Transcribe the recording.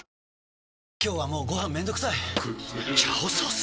今日はもうご飯めんどくさい「炒ソース」！？